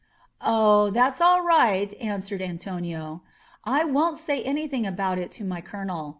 "Oh, that's all right," answered Antonio. "I won't say anything about it to my colonel.